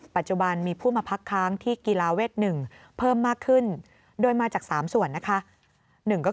ปัจจุบันมีผู้มาพักค้างที่กีฬาเวท๑เพิ่มมากขึ้นโดยมาจาก๓ส่วนนะคะ